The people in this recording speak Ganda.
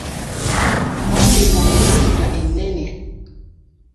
Wandiika mu nnukuta ennene.